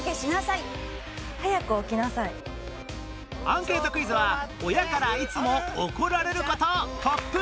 アンケートクイズは親からいつも怒られることトップ９